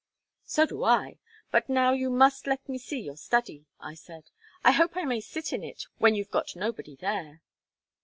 "So do I. But now you must let me see your study," I said. "I hope I may sit in it when you've got nobody there."